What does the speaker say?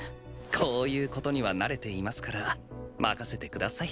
こういうことには慣れていますから任せてください。